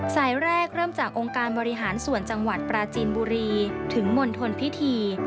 สายแรกเริ่มจากองค์การบริหารส่วนจังหวัดปราจีนบุรีถึงมณฑลพิธี